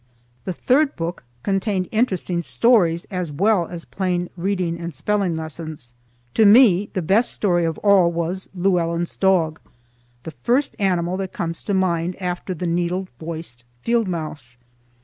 The third book contained interesting stories as well as plain reading and spelling lessons. To me the best story of all was "Llewellyn's Dog," the first animal that comes to mind after the needle voiced field mouse.